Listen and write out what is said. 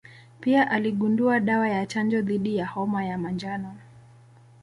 Pia aligundua dawa ya chanjo dhidi ya homa ya manjano.